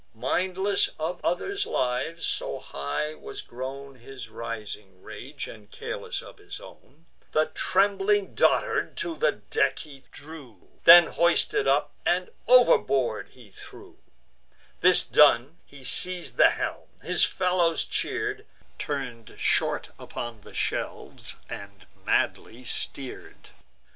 Mindless of others' lives (so high was grown His rising rage) and careless of his own, The trembling dotard to the deck he drew; Then hoisted up, and overboard he threw: This done, he seiz'd the helm; his fellows cheer'd, Turn'd short upon the shelfs, and madly steer'd.